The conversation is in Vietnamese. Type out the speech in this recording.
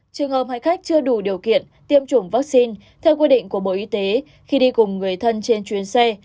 trường hợp hành khách chưa đủ điều kiện tiêm chủng vaccine theo quy định của bộ y tế khi đi cùng người thân trên chuyến xe